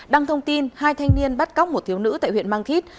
đăng thông tin hai thanh niên bắt cóc một thiếu nữ tại huyện mang thít